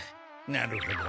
なるほど。